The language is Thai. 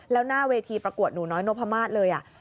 แล้วหน้าเวทีปรากฏหนูน้อยนโนพมหมาสเลย